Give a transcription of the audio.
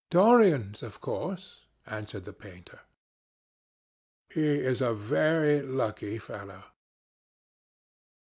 "Dorian's, of course," answered the painter. "He is a very lucky fellow."